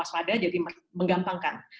pada jadi menggampangkan